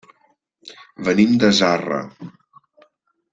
Venim de Zarra.